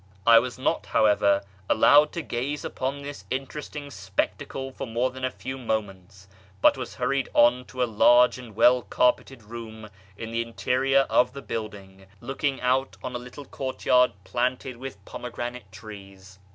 I was not, lowever, allowed to gaze upon this interesting spectacle for nore than a few moments, but was hurried on to a large and veil carpeted room in the interior of the building, looking out )n a little courtyard planted with pomegranate trees.